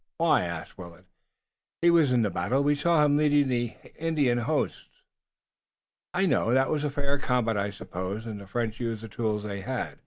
"Why?" asked Willet. "He was in the battle. We saw him leading on the Indian hosts." "I know. That was fair combat, I suppose, and the French used the tools they had.